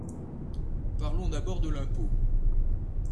Parlons d’abord de l’impôt.